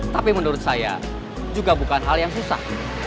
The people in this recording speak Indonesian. tapi menurut saya juga bukan hal yang susah